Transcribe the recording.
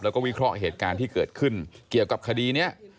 แล้วก็วิเคราะห์เหตุการณ์ที่เกิดขึ้นเกี่ยวกับคดีนี้